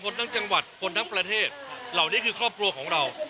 ทั้งจังหวัดคนทั้งประเทศเหล่านี้คือครอบครัวของเรา